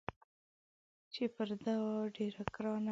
چې پر ده وه ډېره ګرانه